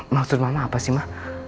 maksud mama apa sih ma